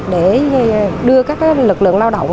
để đưa các lực lượng lao động